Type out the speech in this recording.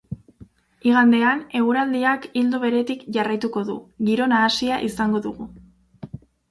Igandean, eguraldiak ildo beretik jarraituko du, giro nahasia izango dugu.